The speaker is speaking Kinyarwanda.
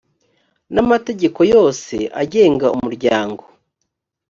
n amategeko yose agenga umuryango